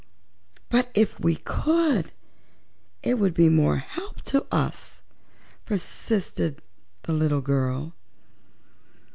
"But if we could, it would be more help to us," persisted the little girl.